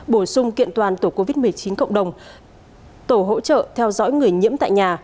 bổ sung kiện toàn tổ covid một mươi chín cộng đồng tổ hỗ trợ theo dõi người nhiễm tại nhà